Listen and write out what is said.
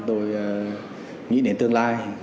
tôi nghĩ đến tương lai